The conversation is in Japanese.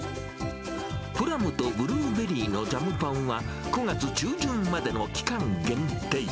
プラムとブルーベリーのジャムパンは、９月中旬までの期間限定。